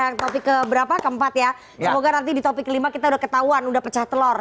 yang topik keberapa keempat ya semoga nanti di topik kelima kita udah ketahuan udah pecah telur